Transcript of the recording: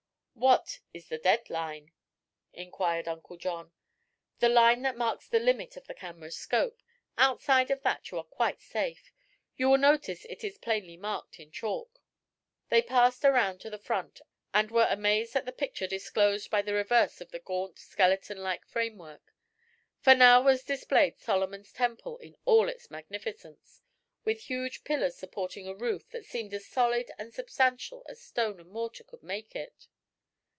"What is the 'dead line'?" inquired Uncle John. "The line that marks the limit of the camera's scope. Outside of that you are quite safe. You will notice it is plainly marked in chalk." They passed around to the front and were amazed at the picture disclosed by the reverse of the gaunt, skeleton like framework. For now was displayed Solomon's temple in all its magnificence, with huge pillars supporting a roof that seemed as solid and substantial as stone and mortar could make it.